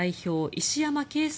石山恵介